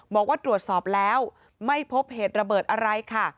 บอกว่าตรวจสอบแล้วไม่พบเหตุระเบิดอะไรค่ะ